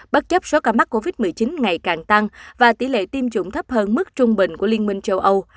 bất chấp số ca mắc covid một mươi chín ngày càng tăng và tỷ lệ tiêm chủng thấp hơn mức trung bình của liên minh châu âu